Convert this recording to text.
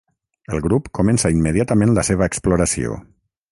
El grup comença immediatament la seva exploració.